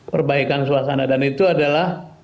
perbaikan suasana dan itu adalah